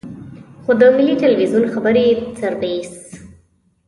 خو د ملي ټلویزیون خبري سرویس.